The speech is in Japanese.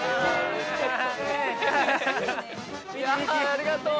ありがとう。